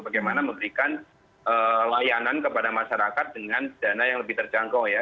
bagaimana memberikan layanan kepada masyarakat dengan dana yang lebih terjangkau ya